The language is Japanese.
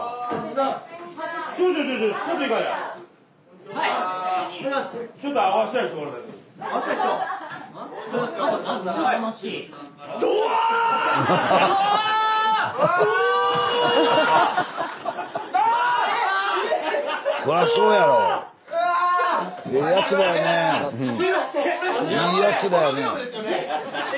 いいやつらよねえ。